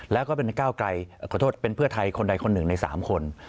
และเป็นก้าวกลายอ่ะขอโทษเป็นเพื่อกับคนไทยเป็นคนในสามคน